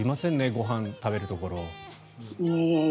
ご飯を食べるところ。